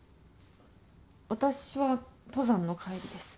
私は登山の帰りです。